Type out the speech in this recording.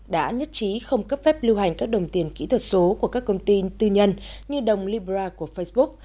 đã nhất trí không cấp phép lưu hành các đồng tiền kỹ thuật số của các công ty tư nhân như đồng libra của facebook